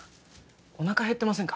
おなか減ってませんか？